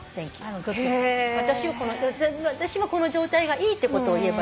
「私はこの状態がいい」ってことを言えばいいから。